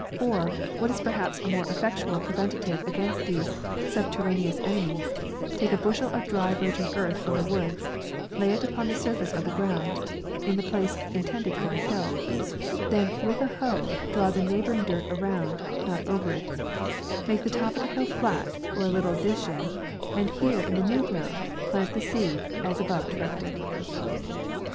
Or, what is per^ haps a more effectual preventive against these subterraneous enemies, take a bushel of dry virgin earth from the woods ; lay it upon the surface of the ground, in the place intended for a hill ; then with a hoe draw the neigh bouring dirt around, not over it ; make the top of the hill flat, or a little dishing, and here in the new ground, plant the seed as above directed.